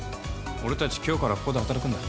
俺たち今日からここで働くんだ。